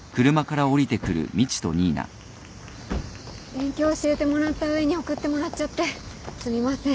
勉強教えてもらった上に送ってもらっちゃってすみません。